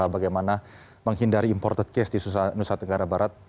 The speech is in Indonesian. bagaimana menghindari imported case di nusa tenggara barat